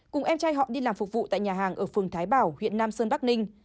cùng em trai họ đi làm phục vụ tại nhà hàng ở phường thái bảo huyện nam sơn bắc ninh